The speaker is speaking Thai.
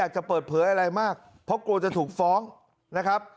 จะเปิดเผยอะไรมากเพราะกลัวจะถูกฟ้องนะครับ